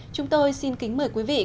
chúng tôi xin kính mời quý vị khán giả